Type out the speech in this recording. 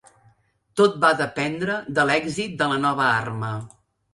Tot va dependre de l'èxit de la nova arma.